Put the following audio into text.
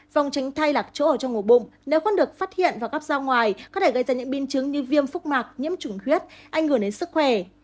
vòng tránh thay lạc chỗ ở trong ngủ bụng nếu không được phát hiện và gắp ra ngoài có thể gây ra những biến chứng như viêm phúc mạc nhiễm chủng huyết ảnh hưởng đến sức khỏe